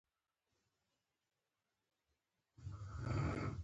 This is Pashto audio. ایا زه باید لاړ شم؟